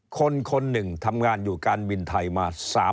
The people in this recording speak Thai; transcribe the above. คนหนึ่งทำงานอยู่การบินไทยมา